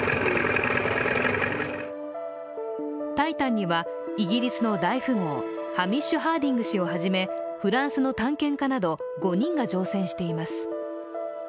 「タイタン」にはイギリスの大富豪ハミッシュ・ハーディング氏をはじめフランスの探検家など５人が乗船しています。